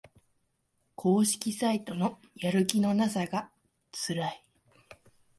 公式サイトのやる気のなさがつらい